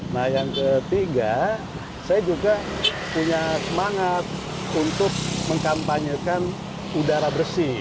nah yang ketiga saya juga punya semangat untuk mengkampanyekan udara bersih